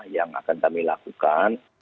ya ini sudah dilakukan